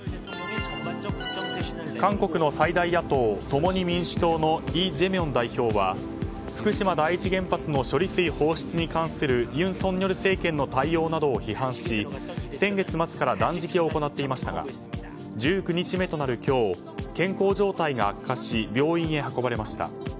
韓国の最大野党、共に民主党のイ・ジェミョン代表は福島第一原発の処理水放出に関する尹錫悦政権の対応などを批判し先月末から断食を行っていましたが１９日目となる今日健康状態が悪化し病院へ運ばれました。